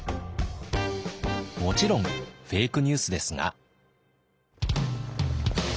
もちろんフェイクニュースですが。